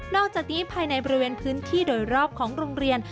อกจากนี้ภายในบริเวณพื้นที่โดยรอบของโรงเรียน